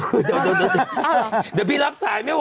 อ้าวเหรอเดี๋ยวพี่รับสายไม่ไหว